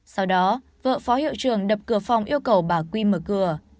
sau đó vợ phó hiệu trường đập cửa phòng yêu cầu bà quy mở cửa